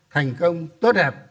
thành công tốt hẳn